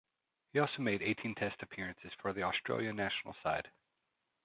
He also made eighteen test appearances for the Australian national side.